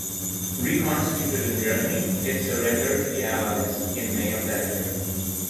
Reconstituted in Germany, it surrendered to the Allies in May of that year.